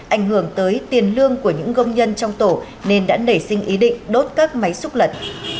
ảnh hưởng tới tiền lương của những công nhân trong tổ nên đã nảy sinh ý định đốt các máy xúc lật